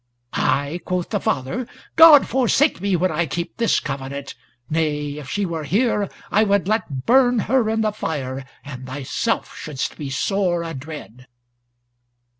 "I!" quoth the father, "God forsake me when I keep this covenant! Nay, if she were here, I would let burn her in the fire, and thyself shouldst be sore adread."